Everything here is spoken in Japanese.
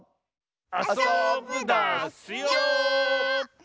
あそぶダスよ！